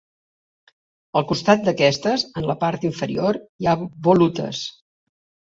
Al costat d'aquestes, en la part inferior, hi ha volutes.